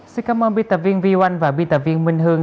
xin cảm ơn biên tập viên v một và biên tập viên minh hương